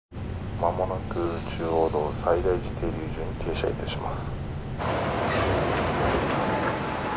間もなく中央道西大寺停留所に停車いたします